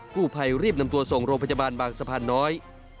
ผู้ภัยรีบนำตัวส่งโรงพยาบาลบางสะพานน้อย